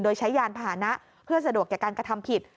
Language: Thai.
โดยใช้ยานผลานะเพื่อสะดวกเกงกฑร์ทำผิด